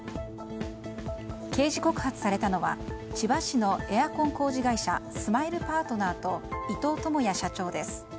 刑事告発されたのは千葉市のエアコン工事会社スマイルパートナーと伊藤友哉社長です。